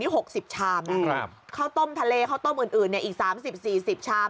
หกสิบชามนะครับข้าวต้มทะเลข้าวต้มอื่นอื่นเนี่ยอีกสามสิบสี่สิบชาม